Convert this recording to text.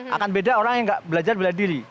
akan beda orang yang gak belajar beladiri